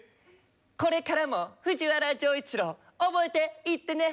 これからも藤原丈一郎覚えていってね！